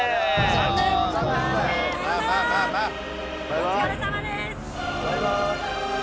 お疲れさまです。